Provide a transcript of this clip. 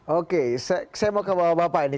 oke saya mau ke bapak bapak ini